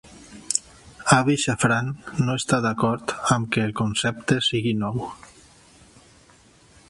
Avi Shafran no està d'acord amb que el concepte sigui nou.